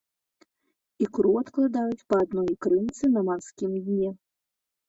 Ікру адкладаюць па адной ікрынцы на марскім дне.